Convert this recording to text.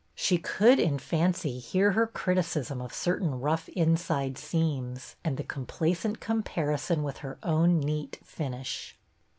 She could in fancy hear her criticism of cer tain rough inside seams and the complacent comparison with her own neat finish.